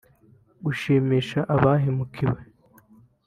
gishimisha abahemukiwe